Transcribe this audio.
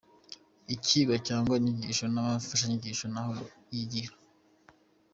Icyigwa cyangwa inyigisho n’imfashanyigisho naho yigira !